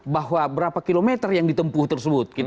bahwa berapa kilometer yang ditempuh tersebut